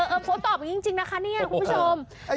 เออป๊อบตอบเง่งเยี่ยงจริงนะคะนี่คุณผู้ชม